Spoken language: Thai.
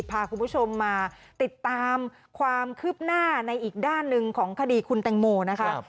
พาคุณผู้ชมมาติดตามความคืบหน้าในอีกด้านหนึ่งของคดีคุณแตงโมนะคะ